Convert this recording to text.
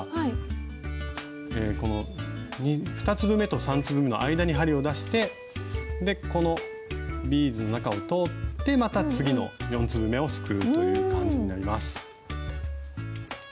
この２粒目と３粒目の間に針を出してこのビーズの中を通ってまた次の４粒目をすくうという感じになります。